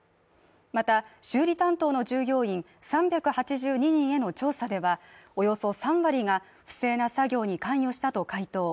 また、修理担当の従業員３８２人への調査では、およそ３割が不正な作業に関与したと回答。